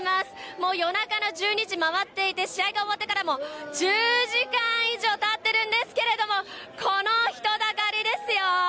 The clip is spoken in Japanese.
もう夜中の１２時回っていて、試合が終わってからも１０時間以上たってるんですけれども、この人だかりですよ。